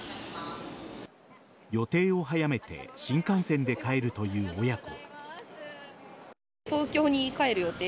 予定を早めて新幹線で帰るという親子。